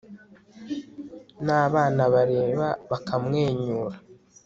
n'abana bareba bakamwenyura